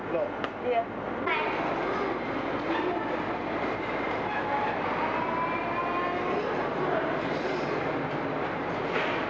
terima kasih pak